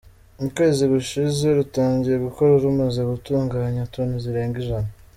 Mu kwezi gushize rutangiye gukora rumaze gutunganya toni zirenga ijana.